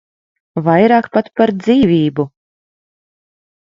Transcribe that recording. Vairāk pat par dzīvību.